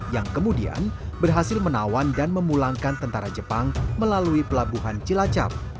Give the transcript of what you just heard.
yang kemudian berhasil menawan dan memulangkan tentara jepang melalui pelabuhan cilacap